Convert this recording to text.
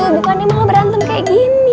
bukannya malah berantem kayak gini